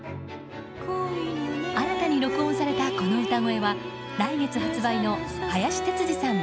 新たに録音された、この歌声は来月発売の、林哲司さん